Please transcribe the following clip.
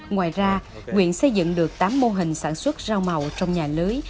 ngoài ra quyện xây dựng được tám mô hình sản xuất rau màu trong nhà lưới